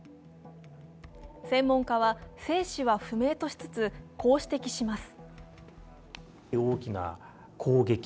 専門家は、生死は不明としつつこう指摘します。